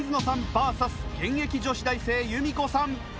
ＶＳ現役女子大生ゆみこさん。